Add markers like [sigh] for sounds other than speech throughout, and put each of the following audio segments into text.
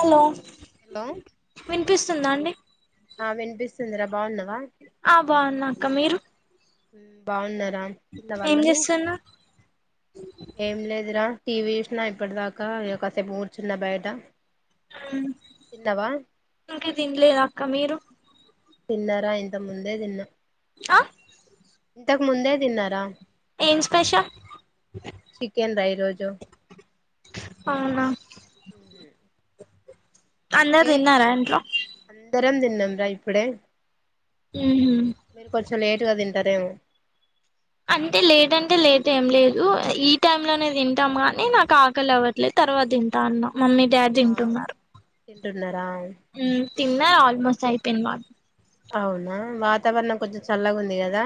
Hello hello విన్పిస్తుందా అండి ఆ విన్పిస్తుందిరా బా ఉన్నవా ఆ బా ఉన్న అక్క మీరు హూమ్ బా ఉన్న తిన్నవా ఏం అన్నము చేస్తున్నారు ఏం లేదురా టీ వీ చూసినా ఇప్పడి దాకా ఇయ కాసేపు కూర్చున్న బయట ఉ తిన్నవా ఇంక తిన్లేదు అక్క మీరు తిన్నారా ఇంత ముందే దిన్న అ ఇంతకు ముందే దిన్నారా ఏమ్ స్పెష చికెన్ రా ఈరోజు అవునా అందరు ఏ దిన్నారా ఇంట్లో అందరం దిన్నం రా ఇప్పుడే ఊహు మీరు కొంచెం లేటుగ తింటరేమో అంటే లేట్ అంటే లేట్ ఏం లేదు ఈ టైం లనే దింటాం ఆనీ నాకు ఆకలి అవ ట్లే తర్వా దింటా అన్న మమ్మీ డాడ్ దింటున్నరు తింటున్నరా ఊమ్ తిన్నా ఆల్మోస్ట్ అయిపోయింద్ మా అవునా వాతావరణం కొంచెం చల్లగ ఉంది గదా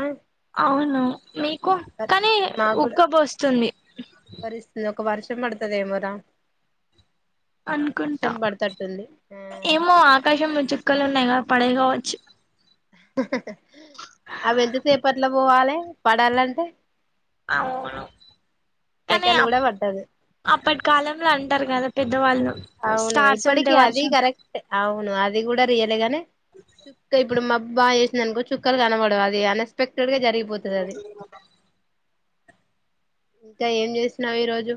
అవును మీకు కానీ ఉక్కబోస్తుంది ఉబ్బరిస్తది ఒక వర్షం పడుతదేమోరా అనుకుంటా వర్షం పడతట్టుంది ఆ ఏమో ఆకాశంలో చుక్కలు ఉన్నాయిగ పడయేగ వచ్చి అవి ఎంతసేపట్లో పోవాలి పడాలంటే అవును కానీ సెకన్ అప్ కూడా పట్టదు అప్పటి కాలంలో అంటారు కదా పెద్దవాళ్ళు అవును స్టార్స్ ఉంటే ఇప్పటికి అది వర్షం కరెక్ట్ అవును అది కూడా రీయల్ ఏ గాని చుక్కలు ఇప్పుడు మాబ్బు బావా చేసినందినుకో చుక్కలు కనబడవు అది అన్ ఎస్పెక్టెడ్ గా జరిగిపో పోతదాది ఇంకా ఏం చేసినావు ఈ రోజు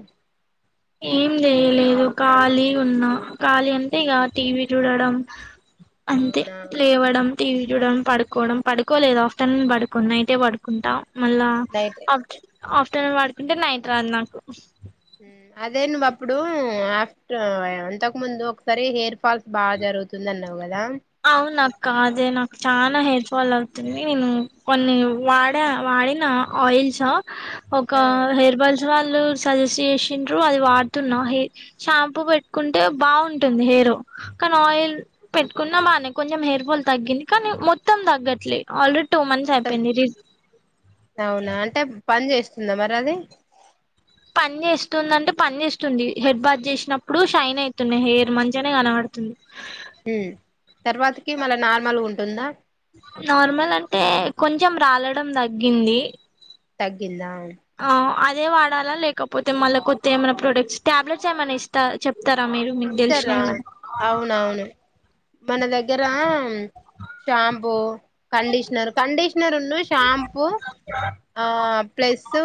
ఏం జేయలే ఇగో ఖాళీ ఉన్న ఖాళీ అంటే ఇగ టీవీ చూడడం అంతే అవునా లేవడం టీవి చూడడం పడుకోవడం పడుకోలేదు ఆఫ్టర్నూన్ పడుకోను నైటే పడుకుంటా మళ్ళా నైటే అప్ ఆఫ్టర్నూన్ పడుకుంటే నైట్ రాదు నాకు అదే నువ్వు అప్పుడు ఆఫ్టర్ ఇంతక ముందు ఒకసారి హెయిర్ ఫాల్ బాగా జరుగుతుంది అన్నావు కదా అవునక్కా అదే నాకు చాలా హెయిర్ ఫాల్ అవుతుంది నేను కొన్ని వాడ వాడిన ఆయిల్స్ ఆ ఒక ఆ హెయిర్ బల్స్ వాళ్ళు సజెస్ట్ చేసిండ్రు అది వాడుతున్నా హెయిర్ షాంపూ పెట్టుకుంటే బాగుంటుంది హెయిర్ కాని ఆయిల్ కున్న బానే కొంచెం హెయిర్ ఫాల్ తగ్గింది కానీ మొత్తం తగ్గట్లే ఆల్రెడీ టూ మంత్స్ మొత్తం అయిపోయింది రీజ అవునా అంటే పని జెస్తుందా మరి అది పని చేస్తుంది అంటే పని చేస్తుంది హెడ్ బాత్ చేసినప్పుడు షైన్ అవుతున్నాయి హెయిర్ మంచిగానే కనబడుతుంది ఊ తర్వాతకి మల్ల నార్మల్గా ఉంటుందా నార్మల్ అంటే కొంచెం రాలడం తగ్గింది తగ్గిందా ఆ అదే వాడాలా లేకపోతే మళ్ళీ కొత్త ఏమై ప్రొడక్ట్స్ టాబ్లెట్స్ ఏమైన్నా ఇస్తారా చె ఇతారా మీరు మీకు తెలిసిన ఇతరా ఏమన్నా అవునవును మన దగ్గర షాంపూ కండిషనర్ కండిషనర్ ఉన్న షాంపూ ఆ ప్లస్ స్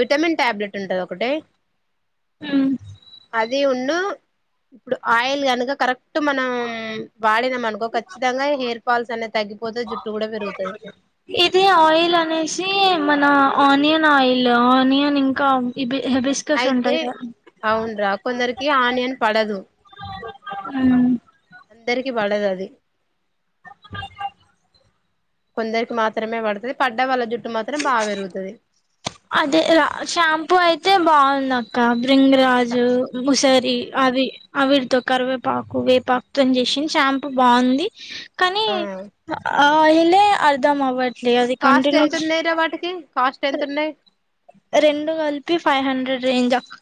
విటమిన్ టాబ్లెట్ ఉంటది ఒకటి హుమ్ అది ఉన్ను యిపుడు ఆయిల్ కనుక కరెక్ట్ మనం వాడినామ్ అనుకో ఖచ్చితంగా హెయిర్ ఫాల్స్ అనేది తగ్గిపోతది జుట్టు కూడా పెరుగుతది ఇది ఆయిల్ అనేసి మన ఆనియన్ ఆయిల్ ఆనియన్ ఇంకా హైబిస్క అయితే అవున్రా కొందరికి ఆనియన్ పడదు హ్మ్ ఇద్దరికీ పడదది [unintelligible] కొందరికి మాత్రమే పడతుది పడ్డ వాళ్ళ జుట్టు మాత్రం బాగా పెరుగుతది అదే రా షాంపూ అయితే బాగుందక్క బ్రింగ్ రాజు ఉసరి ది అవి అవిటితో కరివేపాకు వేపాకుతో చేసింది షాంపూ బాగుంది కానీ ఆ ఆ ఆయిలే అర్థమవట్లే కాస్ట్ ఎంతున్నాయ్ రా వాటికి కాస్ట్ ఎంతున్నాయ్ రెండు కలిపి ఫైవ్ హండ్రెడ్ రేంజ్ అక్కా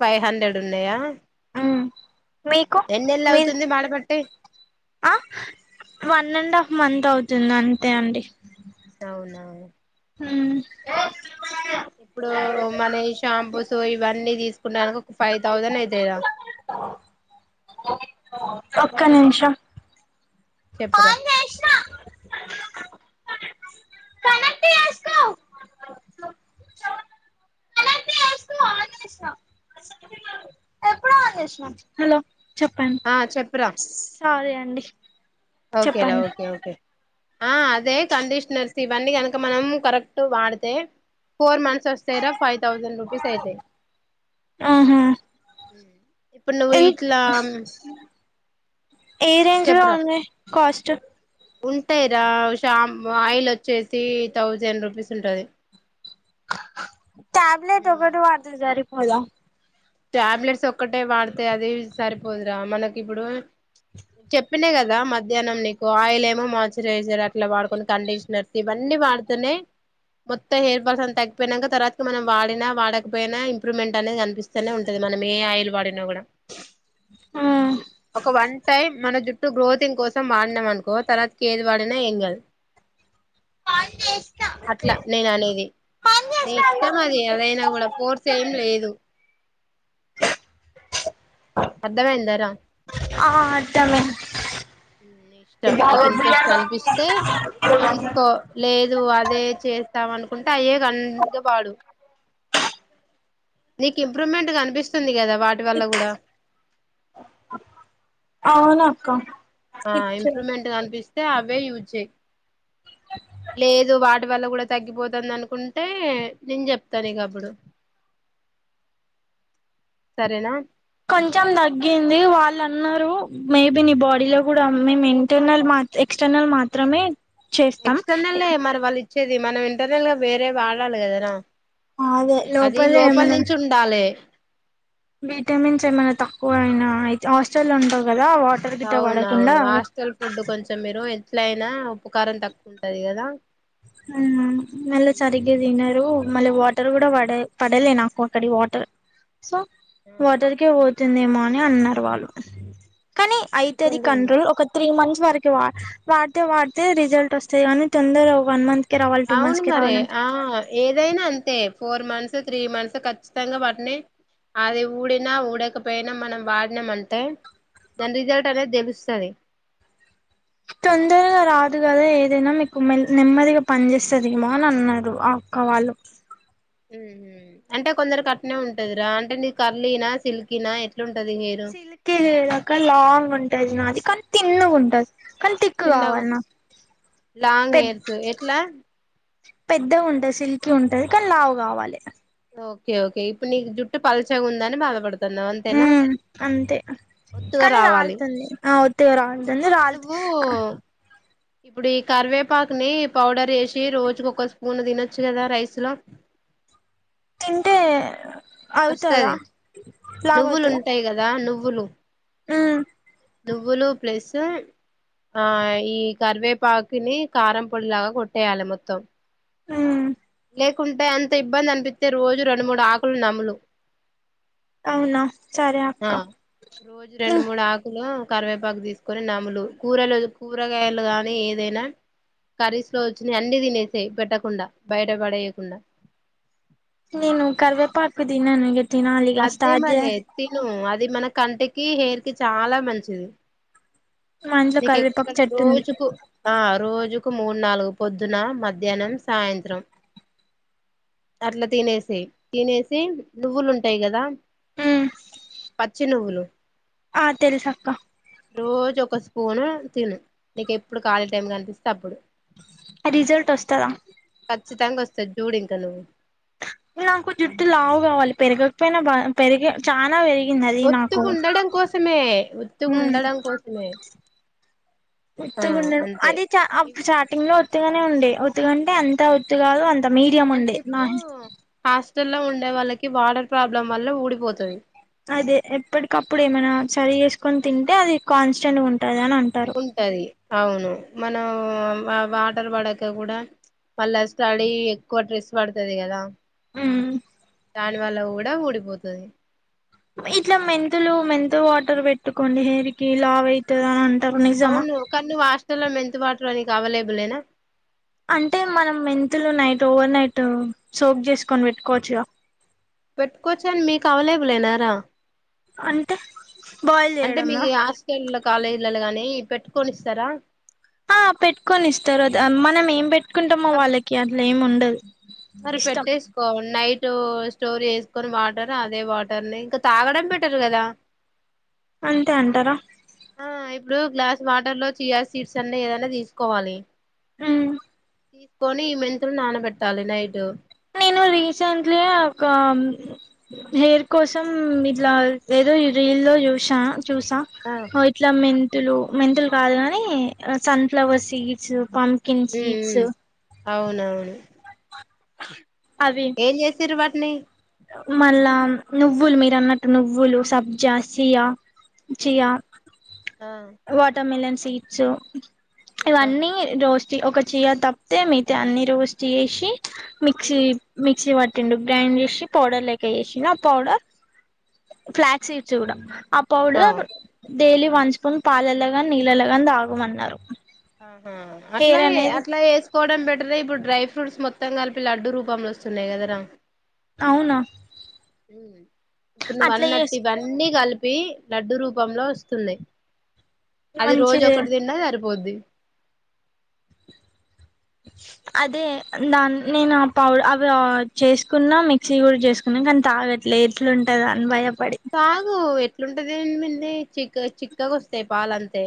ఫైవ్ హండ్రెడ్ ఉన్నాయా మ్మ్ మీకు ఎన్నేళ్ళు మీది అవుతుంది మాడబేట్టి ఆ వన్అండ్ హాఫ్ మంత్ అవుతుంది అంతే అండి తవునా ఊ ఇప్పుడు మన షాంపూస్ ఈవన్నీ తీసుకున్నాక ఒక ఫైవ్ థౌసండ్ అయితయ్ రా ఒక్క నిమిషం చెప్పురా అ ఆన్ చేసినా ఎప్పుడో ఆన్ చేసినా హలో చెప్పండి ఆ చెప్పరా సోరీ అండి ఓకేరా చెప్పండి ఓకే ఓకే ఆ అదే కండిషనర్స్ ఇవన్నీ కనుక మనం కరెక్ట్ గా వాడితే ఫోర్ మంత్స్ వస్తాయిరా ఫైవ్ థౌజండ్ రూపీస్ అయితయ్ ఆహా ఇప్పుడు నువ్వు ఎన్ ఇట్లా ఏ రేంజ్ లో ఉన్నాయ్ కాస్ట్ ఉంటయ్ రా ఆయిల్ వచ్చేసి థౌసండ్ రూపీస్ ఉంటది ట్యాబ్లెట్ ఉమ్ ఒకటి వాడితే సరిపోదా టాబ్లెట్స్ ఒక్కటే వాడితే అది సరిపోదురా మనకిప్పుడు చెప్ చెప్పినా కదా మధ్యానం నీకు ఆయిల్ ఏమో మాయిశ్చరైజర్ అట్లా వాడుకుని కండిషనర్స్ ఇవన్నీ వాడితేనే మొత్త హెయిర్ ఫాల్స్ అంత తగ్గిపోయినాక తర్వాత మనం వాడినా వాడకపోయినా ఇంప్రూవ్మెంట్ అనేది కనిపిస్ ఇట్లనే ఉంటది మనం ఏ ఆయిల్ వాడినా కూడా మ్మ్ ఒక వన్ టైం మన జుట్ ఫస్టు గ్రోతింగ్ కోసం వాడినాం అనుకో తర్వాతకి ఏది వాడినా ఏం కాదు కాల్ చెస్ అట్లా నేననేది నీ ఇష్టం అది అదైనా కూడా ఫోర్స్ ఏం లేదు అర్ధమయిందరా ఆ అర్ధమైంది నీ ఇష్టం నీకు ఇంట్రెస్ట్ అనిపిస్తే తీసుకో లేదు అదే చేస్తాం అనుకుంటే అయ్యే కంటిన్యూస్ గా వాడు నిక్ ఇంప్రూవ్మెంట్ కనిపిస్తుంది కదా వాట్ అవునక్క ఆ ఇచ్చేయ్ ఇంప్రూవ్మెంట్ కనిపిస్తే అవే యూజ్ చెయ్ లేదు వాటి వల్ల కూడా తగ్గిపోతుందనుకుంటే నేను చెప్తా నీకప్పుడు సరేనా కొంచం తగ్గింది వాళ్ళన్నారు మేబి నీ బాడీ లో కూడా మేము ఇంటర్నల్ మా ఎక్స్టర్నల్ మాత్రమే చేస్తాం ఎక్స్టర్నల్ యే మరి వాళ్ళుచ్చేది మనం ఇంటర్నల్ గా వేరే వాడాలి కదనా అదే అది లోపల ఏమైనా నుంచి ఉండాలే విటమిన్స్ ఏమైన్నా తక్కువయినా ఐతే హాస్టల్ ఉంటావ్ కదా వాటర్ గిట్ట పడకుండా అవునవును హాస్టల్ ఫుడ్ కొంచం మీరు ఎట్లయినా ఉప్పు కారం తక్కువుంటది కదా ఊ నల్ల చరి గీ తిన్నరు మళ్ళీ వాటర్ కూడా పడ పడలే నాకు అక్కడి వాటర్ సో వాటర్కే పోతుందేమో అని అన్నరు వాళ్ళు కనీ అవుతుది కిచెన్ రూమ్ కంట్రోల్ ఒక త్రీ మంత్స్ వరకి వాడితే వాడితే రిజల్ట్ వస్తంది కానీ తొందర వన్ మంత్కి రావలి టూ అవును మంత్స్ కి మరి రావాలంటే ఆ ఏదైనా అంతే ఫోర్ మంత్స్ త్రీ మంత్స్ ఖచ్చితంగా [unintelligible] అది ఊడిన ఊడకపోయినా మనం వాడినాం అంటే దాని రిజల్ట్ అనేది తెలుస్తది తొందరగా రాదు కదా ఏదైనా మీకు నెమ్మదిగా పని చేేస్తుంది ఏమా అని అన్నారు మావాళ్ళు అంటే కొందరు కట్నే ఉంటదిరా అంటే నీ కరలీన సిల్కనా ఎట్లుంటది హెయిరూ [unintelligible] లాంగ్ ఉంటది నాది కానీ తిన్ ఉంటది కానీ [unintelligible] చిన్న కావాలి నా లాంగ్ పెద్ద హెయిర్స్ ఎట్లా పెద్దగా ఉంటది సిల్కి ఉంటుంది కానీ లావు కావాలి ఓకే ఓకే ఇప్పుడు నీ జుటు పల్చగా ఉందని బాధపడ ఉ అంతే ఒత్తుగా కానీ రావాలి రాల్తుంది ఆ ఉత్తగ రాలుతుంది రాలు నువ్వు ఇప్పుడు ఈ కరివేపాకుని పౌడర్ వేసి రోజుకు ఒక స్పూన్ తినొచ్చు కదా రైస్ లో తింటే అవుతదా వస్తది లావు నువ్వులు ఉంటాయి కదా నువ్వులు ఉ నువ్వులు ప్లేస్ ఆ ఈ కరివేపాకుని కారం పొడిలాగ కొట్టేయాలి మొత్తం ఆ లేకుంటే అంత ఇబ్బంది అనిపిస్తే రోజు రెండు మూడు ఆకులు నములు అవున ఆ రోజు రెండు మూడు ఆ కరివేపాకు తీసుకొని నములు కూరలు కూరగాయలు గానీ ఏదైనా కరీస్ లో వచ్చింది అన్ని తినేసేయి పెట్టకుండా బయట పడేయకుండా నేను కరివేపాకు [unintelligible] అదే స్టార్ట్ చేయ మరే తిను అది మన కంటికి హెయిర్కి చాలా మంచిది మా ఇంట్లో నీక కరివేపాకు ఎక్కడ చెట్టు ఉంది రోజుకు ఆ రోజుకు మూడు నాలుగు పొద్దున మధ్యాహ్నం సాయంత్రం అట్లా తినేసి తినేసి నువ్వులు ఉంటాయి కదా పచ్చి నువ్వులు ఆ తెలిసక్క రోజు ఒక స్పూను తిను నీకెప్పుడు ఖాళీ టైం క కనిపిస్తే అప్పుడు రిజల్ట్ వస్తద ఖచ్చితంగా వస్తది జూడు ఇంక నువ్వు నాకు జుట్టు లావు కావాలి పెరగకపోయినా [unintelligible] చాన పెరిగింది అది ఒత్తుగ నాకు ఉండడం కోసమే ఒత్తుగ ఉమ్ ఉండడం కోసమే ఆ ఉత్తుగాండడు అంతే అది చ స్టార్టింగ్ లో ఒత్తుగానే ఉండే ఒత్తుగంటే ఎంత ఒత్తు కాదు అ మీడియం అంటే ఉండే నా ఇప్పుడు హాస్టల్లో ఉండే వాళ్ళకి వాటర్ ప్రాబ్లం వల్ల ఊడిపోతది అదే ఎప్పటికప్పుడు ఏమైనా సరి చేసుకొని తింటే అది కాన్స్టెంట్గ ఉంటంది అని అంట ఉంటది అవును మనం వాటర్ పడాక కూడ మళ్ళా స్టడీ ఎక్కువ స్ట్రెస్ పడుతది కదా ఉమ్ దాని వల్ల కూడా ఊడిపోతది ఇట్లా మెంతులు మెంతుల వాటర్ పెట్టుకోండి హెయిర్ కి లావు అవుతుంది అని అంటారు నిజమా అవును కానీ నువ్వు ఆస్టల్ల్లో మెంతు వాటర్ అనికి అవైలబుల్ ఏనా అంటే మనం మెంతులు నైట్ ఓవర్ నైట్ సోక్ చేసుకొని పెట్టుకోవచ్చుగా పెట్టుకోవచ్చని మీకు అవలేబలేనారా అంటే బాయిల్ చేయడంలో స్క కాలేజీలలో గాని పెట్టుకో నిస్తారా ఆ పెట్టుకొని ఇస్తారు మనం ఏం పెట్టుకుంటామో వాళ్ళకి అట్లా ఏమి ఉండదు మరి ఇష్టం పెట్టేసి నైట్ స్టోర్ చేసుకొని వాటర్ అదే వాటర్ ని ఇంకా తాగడం బేట్టర్ కదా అంతే అంటారా ఆ ఇప్పుడు గ్లాస్ వాటర్ లో చియా సీడ్స్ అన్ని ఏదైనా తీసుకోవాలి ఉమ్ తీసుకొని ఈ మెంతులు నానబెట్టాలి నైటు నేను రీసెంట్లీ ఒక హెయిర్ కోసం ఇట్లా ఏదో రీల్ లో చూసా చూసా ఆ ఇట్లా మెంతులు మెంతులు కాదు కాని సన్ ఫ్లవర్ సీడ్స్ పంప్ ఉ అవునవును అవి ఏం చేస్తారు వాటిని మళ్ళా నువ్వులు మీరు అన్నట్టు నువ్వులు సబ్జా సియా చియా ఉమ్ ఆ వాటర్మెలన్ సీడ్స్ ఆహా ఇవన్నీ రోస్ట్ ఒక చీయా తప్పితే మిగతాయి అన్ని రోస్ట్ చేసి మిక్సీ ఉమ్ మిక్సీ పట్టిండు గ్రైండ్ చేసి పౌడర్ లెక్క చేసిండు ఆ పౌడర్ ఫ్లాక్స్ సిడ్స్ కూడా ఆ పౌడర్ డైలీ వన్ స్పూన్ పాలలోగాని నీళ్ళలో కాని తాగమన్నారు ఆహా అట్లా హెయిర్ గే అనేది అట్లా చేసుకోవడం బెటర్ ఇప్పుడు డ్రై ఫ్రూట్స్ మొత్తం కలిపి లడ్డు రూపంలో వస్తున్నాయి కదరా అవునా ఇప్పుడు అట్లా నువ్వన్నట్ చేసు ఇవన్నీ కలిపి ప్పి లడ్డు రూపంలో వస్తుంది అది రోజు మంచిది ఒకటి తిన్న సరిపోద్ది [inaudible] అదే దాన్ని నేను ఆ ప అవి చేసుకున్న మిక్సీ కూడా చేసుకున. నుకని తాగట్లే ఎట్లుంటద అని భయపడి తాగు ఎట్లుంటది ఏంది చిక్క చిక్కగా వస్తయి పాలంతే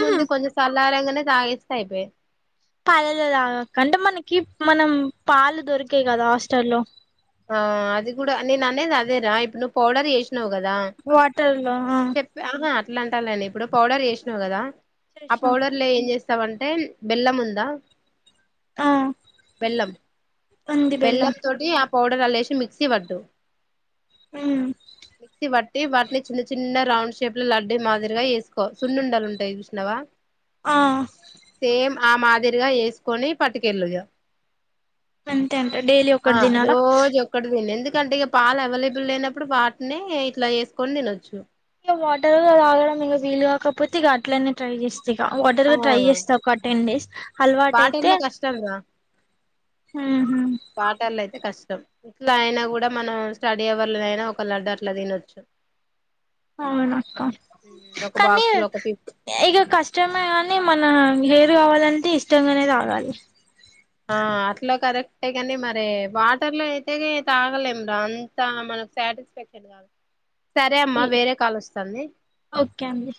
ఉహు కొంచెం సల్లారంగనే తాగెస్తే అయిపోయె పాలల్లో తాగాక అంటే మనకి మనం పాలు దొరికె యి కదా హాస్టల్లో. ఆ అది కూడా నేను అనేది అదేరా ఇప్పుడు నువ్వు పౌడర్ చేసినావు కదా వాటర్ లో ఆ ఆహా అట్లా అంటలేదు నేను ఇప్పుడు పౌడర్ చేసినావు కదా ఆ చేసినాం పౌడర్ లో ఏం చేస్తవు. చేస్తవంటే బెల్లం ఉందా ఆ బెల్లం బెల్లం తోటి ఆ పౌడర్ అల్లెసి మిక్సీ పట్టు ఉనా మీక్ వట్టి వాటిని చిన్న చిన్న రౌండ్ షేప్ లో లడ్డు మాదిరిగా ఏసుకో సున్నుండలు ఉంటాయి చూసినావా [inaudible] ఆ సేమ్ ఆ మాదిరిగా యేసుకొని పట్టుకెళ్ళు ఇగ అంతే అంటా డైలీ ఆ ఒకటి తిను రోజు ఎందుకంటే ఇగ పాలు అవైలబుల్ లేనప్పుడు వాటినే ఇట్లా చేసుకొని తినొచ్చు ఇక వాటర్ గా తగడం ఇంకా వీలు కాకపోతే ఇక అట్లనే ట్రై చేస్తా ఇగ వాటర్ గా ట్రై చేస్తాం ఒక టెన్ డేస్ అలవాటు బాటిల్లో కష్టం రా ఆహ ఇట్లా అయిన కూడా మనం స్టడీ అవర్లోనయినా ఒక లడ్డు అట్లా తినొచ్చు [unintelligible] అవును అక్క ఒక కానీ బాక్స్ లో ఒక ఫిఫ్ ఇక కష్టమే కానీ మన హెయిర్ కావాలంటే ఇష్టంగానే తాగాలి ఆ అట్లా కరెక్టే కాని మరి వాటర్ లో అయితే తాగలేం రా అంత సరే అమ్మా వేరే కాల్ వస్తాంది ఓకే అండి